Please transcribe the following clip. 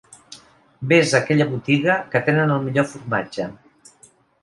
Ves a aquella botiga, que tenen el millor formatge.